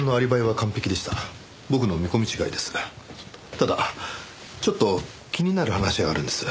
ただちょっと気になる話があるんです。